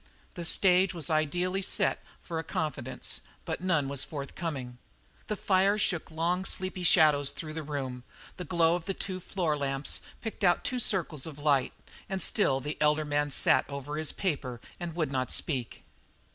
The stage was ideally set for a confidence, but none was forthcoming. The fire shook long, sleepy shadows through the room, the glow of the two floor lamps picked out two circles of light, and still the elder man sat over his paper and would not speak.